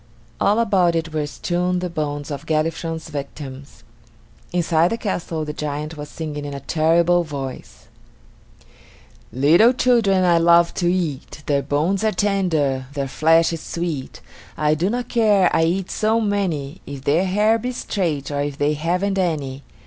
All about it were strewn the bones of Galifron's victims. Inside the castle the giant was singing in a terrible voice: "Little children I love to eat; Their bones are tender, their flesh is sweet. I do not care, I eat so many, If their hair be straight, or if they haven't any."